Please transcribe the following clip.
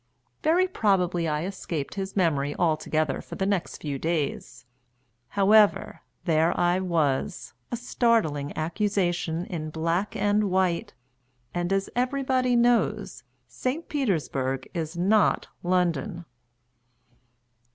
Very probably I escaped his memory altogether for the next few days: however, there I was a startling accusation in black and white; and, as everybody knows, St. Petersburg is not London.